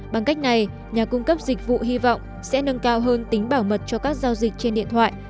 bằng cách này nhà cung cấp dịch vụ hy vọng sẽ nâng cao hơn tính bảo mật cho các giao dịch trên điện thoại